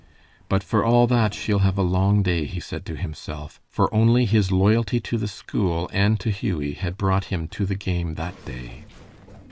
"But for all that, she'll have a long day," he said to himself, for only his loyalty to the school and to Hughie had brought him to the game that day.